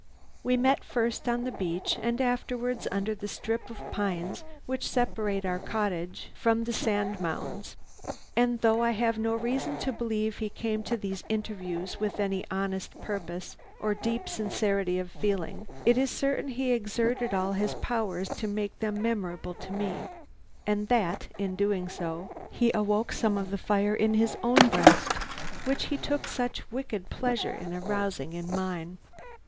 We met first on the beach and afterwards under the strip of pines which separate our cottage from the sand mounds, and though I have no reason to believe he came to these interviews with any honest purpose or deep sincerity of feeling, it is certain he exerted all his powers to make them memorable to me, and that, in doing so, he awoke some of the fire in his own breast which he took such wicked pleasure in arousing in mine.